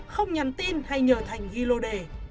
không nhắn tin hay nhờ thanh ghi lô đề